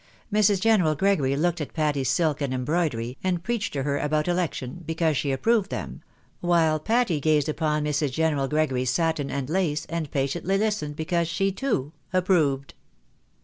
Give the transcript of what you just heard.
Mrs. General Gregory looked at Patty's silk and embroidery, and preached to her about election, because she approved them ; while Patty gazed upon Mrs. General Gregory's satin and lace, and patiently listened because she, too, approved.